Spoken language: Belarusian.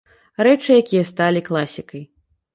Рэчы, якія сталі класікай.